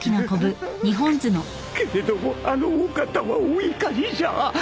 けれどもあのお方はお怒りじゃ。